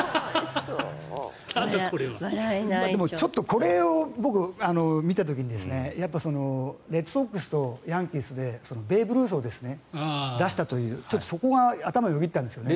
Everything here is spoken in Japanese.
これを僕見た時にレッドソックスとヤンキースでベーブ・ルースを出したというそこが頭によぎったんですが。